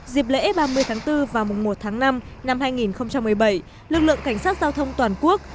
dịp lễ ba mươi tháng bốn và mùng một tháng năm năm hai nghìn một mươi bảy lực lượng cảnh sát giao thông toàn quốc